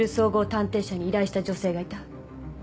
探偵社に依頼した女性がいた。